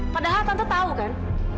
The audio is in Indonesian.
padahal tante tahu kan